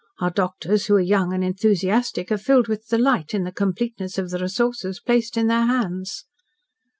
Our doctors, who are young and enthusiastic, are filled with delight in the completeness of the resources placed in their hands."